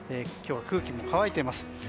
今日は空気も乾いています。